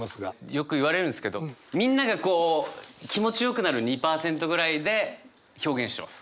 よく言われるんですけどみんながこう気持ちよくなる２％ぐらいで表現してます。